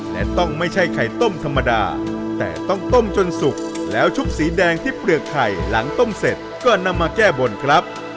และต้องไม่ใช่ไข่ต้มธรรมดาแต่ต้องต้มจนสุกแล้วชุบสีแดงที่เปลือกไข่หลังต้มเสร็จก็นำมาแก้บนครับ